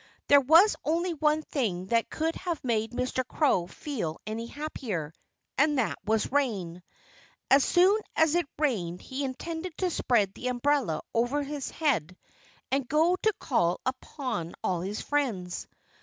There was only one thing that could have made Mr. Crow feel any happier; and that was rain. As soon as it rained he intended to spread the umbrella over his head and go to call upon all of his friends.